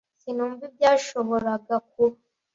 Sinumva ibyashoboraga kuba.